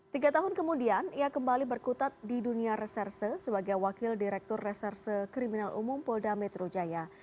tiga tahun kemudian ia kembali berkutat di dunia reserse sebagai wakil direktur reserse kriminal umum polda metro jaya